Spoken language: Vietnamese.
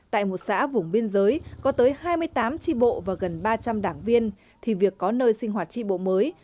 tại một xã vùng biên giới có tới hai mươi tám tri bộ và gần ba trăm linh đảng viên thì việc có nơi sinh hoạt tri bộ mới